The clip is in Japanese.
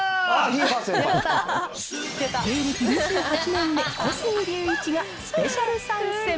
芸歴２８年目、小杉竜一がスペシャル参戦。